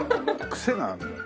クセがあるんだ。